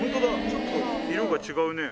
ちょっと色が違うね。